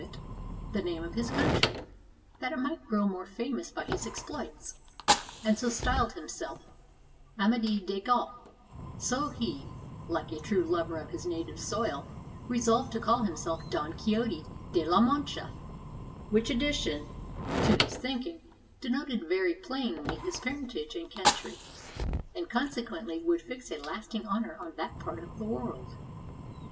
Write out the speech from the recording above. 502 THE KNIGHT OF THE WINDMH^LS name of his country, that it might grow more famous by his exploits, and so styled himself Amadis de Gaul; so he, like a true lover of his native soil, resolved to call himself Don Quixote de la Mancha; which addition, to his thinking, denoted very plainly his parentage and country, and consequently would fix a lasting honor on that part of the world.